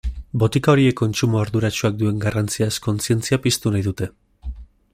Botika horien kontsumo arduratsuak duen garrantziaz kontzientzia piztu nahi dute.